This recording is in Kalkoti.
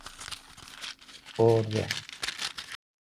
اور دہ۔